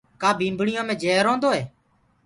ڪآ ڀمڀڻيآنٚ مي جهر هوندو هي۔